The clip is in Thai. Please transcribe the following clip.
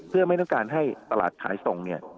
เพื่อไม่ต้องการให้ตลาดขายส่งเนี่ย